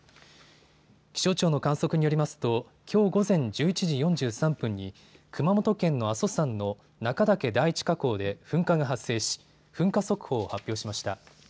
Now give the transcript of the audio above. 気象庁の観測によりますときょう午前１１時４３分に熊本県の阿蘇山の中岳第一火口で噴火が発生し噴火速報を発表しました。